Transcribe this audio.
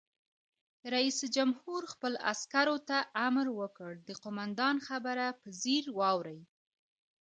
رئیس جمهور خپلو عسکرو ته امر وکړ؛ د قومندان خبره په ځیر واورئ!